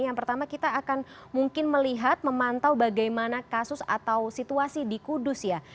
yang pertama kita akan mungkin melihat memantau bagaimana kasus atau situasi di kudus ya